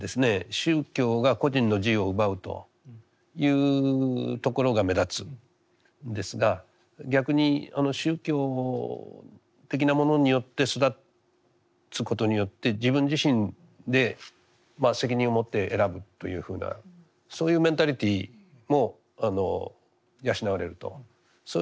宗教が個人の自由を奪うというところが目立つんですが逆に宗教的なものによって育つことによって自分自身で責任を持って選ぶというふうなそういうメンタリティーも養われるとそういう場合もある。